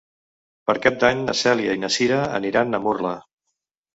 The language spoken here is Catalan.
Per Cap d'Any na Cèlia i na Cira aniran a Murla.